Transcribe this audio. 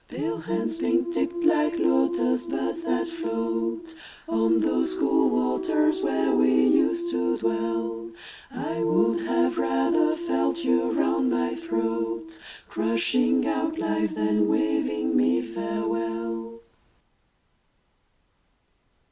Pale hands, pink tipped, like Lotus buds that float On those cool waters where we used to dwell, I would have rather felt you round my throat, Crushing out life, than waving me farewell!